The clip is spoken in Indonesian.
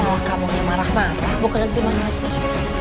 kok malah kamu yang marah marah bukannya terima kasih